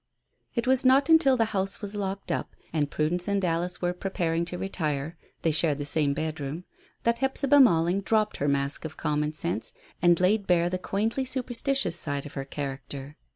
It was not until the house was locked up, and Prudence and Alice were preparing to retire they shared the same bedroom that Hephzibah Malling dropped her mask of common sense and laid bare the quaintly superstitious side of her character.